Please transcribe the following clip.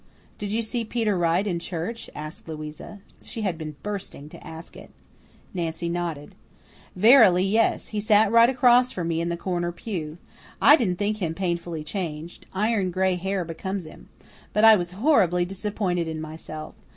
"Did you see Peter Wright in church?" asked Louisa. She had been bursting to ask it. Nancy nodded. "Verily, yes. He sat right across from me in the corner pew. I didn't think him painfully changed. Iron gray hair becomes him. But I was horribly disappointed in myself.